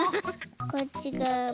こっちがわも。